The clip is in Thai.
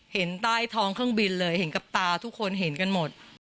เห็นใต้ท้องเครื่องบินเลยเห็นกับตาทุกคนเห็นกันหมด